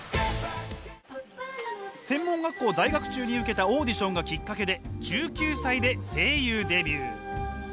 専門学校在学中に受けたオーディションがきっかけで１９歳で声優デビュー。